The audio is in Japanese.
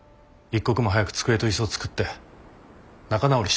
一刻も早く机と椅子を作って仲直りしてくれ。